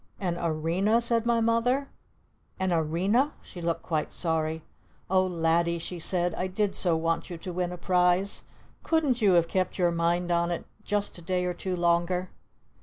"An Arena?" said my Mother. "An Arena?" She looked quite sorry. "Oh Laddie!" she said. "I did so want you to win a prize! Couldn't you have kept your mind on it just a day or two longer?"